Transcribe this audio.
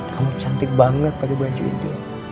kamu cantik banget pakai baju india